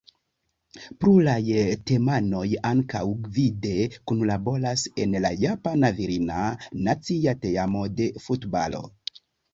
Pluraj teamanoj ankaŭ gvide kunlaboras en la japana virina nacia teamo de futbalo.